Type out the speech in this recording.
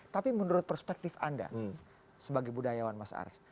tapi menurut perspektif anda sebagai budayawan mas aris